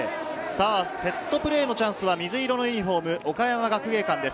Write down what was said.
セットプレーのチャンスは水色のユニホーム、岡山学芸館です。